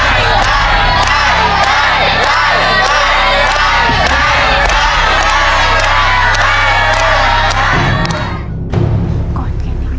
ได้ได้ได้ได้